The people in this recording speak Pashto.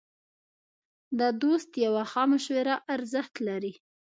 د دوست یوه ښه مشوره ارزښت لري.